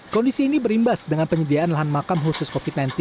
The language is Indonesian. kondisi ini berimbas dengan penyediaan lahan makam khusus covid sembilan belas